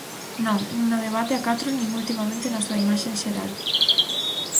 Non, nin no debate a catro nin ultimamente na súa imaxe en xeral.